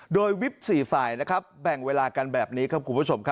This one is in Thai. โดยวิป๔ฝ่ายแบ่งเวลากันแบบนี้ครับคุณผู้ชม